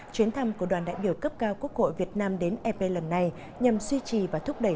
chuyến thăm của đoàn đại biểu cấp cao quốc hội việt nam đến ep lần này nhằm suy trì và thúc đẩy